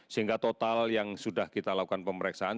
sehingga total yang sudah kita lakukan pemeriksaan